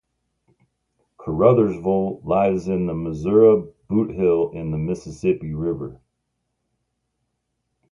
Caruthersville lies in Missouri's Bootheel on the Mississippi River.